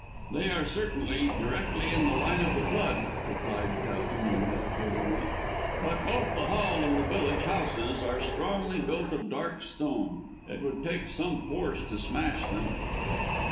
"They are certainly directly in the line of flood," replied Towton unhesitatingly; "but both the Hall and the village houses are strongly built of dark stone. It would take some force to smash them."